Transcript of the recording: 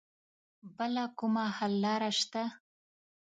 بله کومه حل لاره شته